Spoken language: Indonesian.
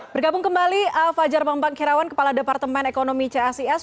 berkabung kembali fajar mbangbang kirawan kepala departemen ekonomi cacs